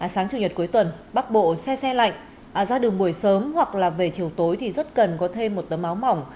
sáng chủ nhật cuối tuần bắc bộ xe xe lạnh ra đường buổi sớm hoặc là về chiều tối thì rất cần có thêm một tấm áo mỏng